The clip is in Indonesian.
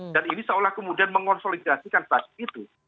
dan ini seolah kemudian mengonsolidasikan pas itu